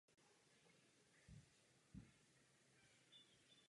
Jde o proces nezbytný, který musí přirozeně pokračovat co nejrychleji.